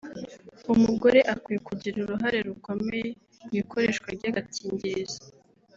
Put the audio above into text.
umugore akwiye kugira uruhare rukomeye mu ikoreshwa ry’agakingirizo